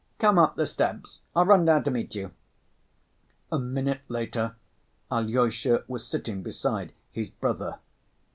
Come up the steps; I'll run down to meet you." A minute later Alyosha was sitting beside his brother.